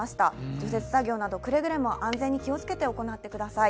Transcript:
除雪作業などくれぐれも安全に気をつけて行ってください。